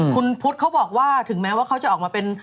คุณพุทธเขาบอกว่าถึงแม้ว่าเขาจะออกมาเป็น